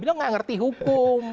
beliau nggak ngerti hukum